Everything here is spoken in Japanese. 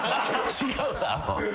違うわ。